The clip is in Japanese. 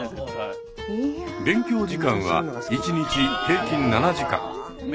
勉強時間は１日平均７時間。